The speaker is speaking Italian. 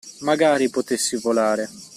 Magari potessi volare!